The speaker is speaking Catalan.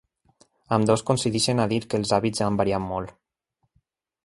Ambdós coincideixen a dir que els hàbits han variat molt.